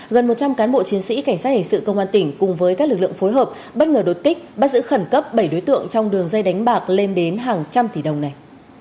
gần một trăm linh cán bộ chiến sĩ cảnh sát hình sự công an tỉnh cùng với các lực lượng phối hợp bất ngờ đột kích bắt giữ khẩn cấp bảy đối tượng trong đường dây đánh bạc lên đến hàng trăm tỷ đồng này